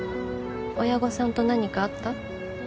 親御さんと何かあった？